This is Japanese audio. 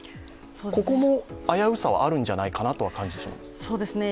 ここも危うさはあるんじゃないかなとは感じるんですが。